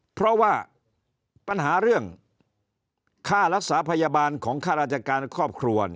เพราะว่าปัญหาเรื่องค่ารักษาพยาบาลของข้าราชการครอบครัว